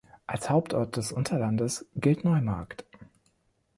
Als Hauptort des Unterlandes gilt Neumarkt.